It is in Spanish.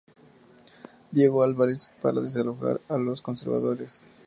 Diego Álvarez para desalojar a los Conservadores.